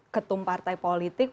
ketum partai politik